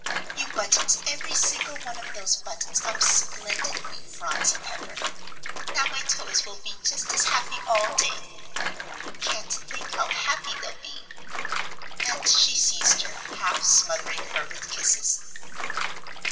"You buttoned every single one of those buttons up splendidly, Phronsie Pepper. Now my toes will be just as happy all day; oh, you can't think how happy they'll be." And she seized her, half smothering her with kisses.